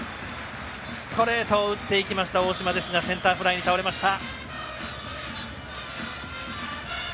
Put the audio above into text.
ストレートを打っていきました大島ですがセンターフライに倒れました。